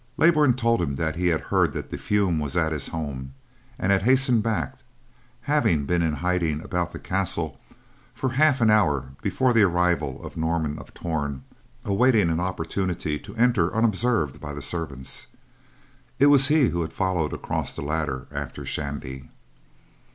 Leybourn told them that he had heard that De Fulm was at his home, and had hastened back; having been in hiding about the castle for half an hour before the arrival of Norman of Torn, awaiting an opportunity to enter unobserved by the servants. It was he who had followed across the ladder after Shandy.